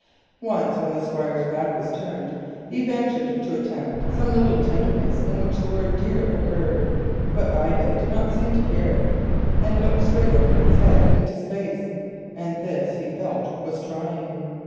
Once when the Squire's back was turned he had ventured to attempt some little verbal tenderness in which the word "dear" occurred, but Ida did not seem to hear it and looked straight over his head into space. This he felt was trying.